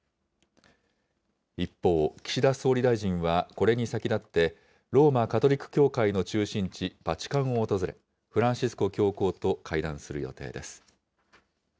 一方、岸田総理大臣はこれに先立って、ローマ・カトリック教会の中心地、バチカンを訪れ、フランシスコ教皇と会談する予定です。